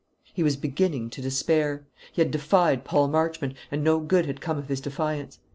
He was beginning to despair. He had defied Paul Marchmont, and no good had come of his defiance.